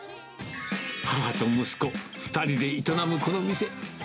母と息子、２人で営むこの店。